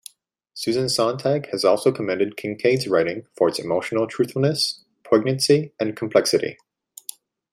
Susan Sontag has also commended Kincaid's writing for its "emotional truthfulness," poignancy, and complexity.